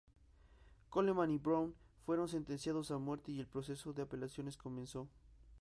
Coleman y Brown fueron sentenciados a muerte y el proceso de apelaciones comenzó.